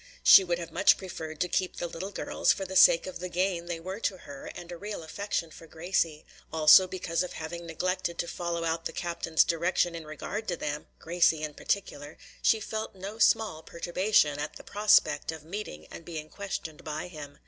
She would have much preferred to keep the little girls, for the sake of the gain they were to her and a real affection for Gracie; also because of having neglected to follow out the captain's directions in regard to them Gracie in particular she felt no small perturbation at the prospect of meeting and being questioned by him.